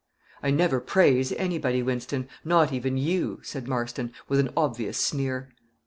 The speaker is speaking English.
"I never praise anybody, Wynston; not even you," said Marston, with an obvious sneer.